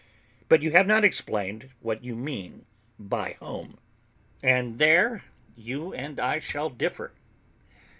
But you have not explained what you mean by home, and there you and I shall differ.